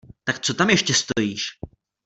Tak co tam ještě stojíš?